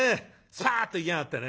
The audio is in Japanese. スパッといきやがってね。